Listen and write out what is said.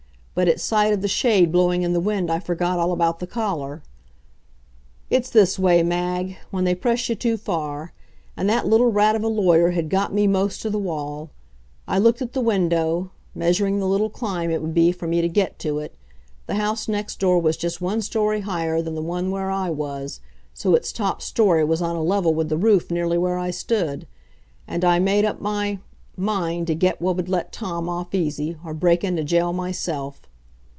But at sight of the shade blowing in the wind I forgot all about the collar. It's this way, Mag, when they press you too far; and that little rat of a lawyer had got me most to the wall. I looked at the window, measuring the little climb it would be for me to get to it, the house next door was just one story higher than the one where I was, so its top story was on a level with the roof nearly where I stood. And I made up my mind to get what would let Tom off easy, or break into jail myself.